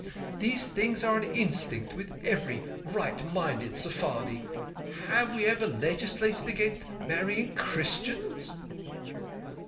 These things are an instinct with every right minded Sephardi. Have we ever legislated against marrying Christians?"